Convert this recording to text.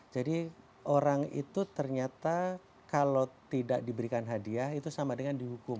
jadi orang itu ternyata kalau tidak diberikan hadiah itu sama dengan dihukum